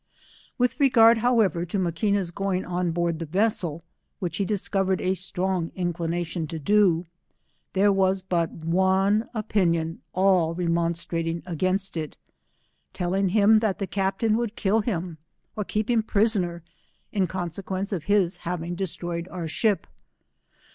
With regard, however, to Maquiaa's going oa board the vessel, vrhich he discovered a strong inclination to do, there was but one opinion, all remonstrating against it, telling him that the captain would kill him or keep him prisoner, in 'consequence of his haviug destroyed our ship.